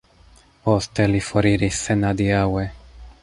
Poste li foriris senadiaŭe.